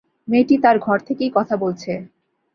মেয়েটি তার ঘর থেকেই কথা বলছে।